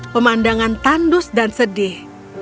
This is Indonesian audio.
pemandangan tandus dan sedih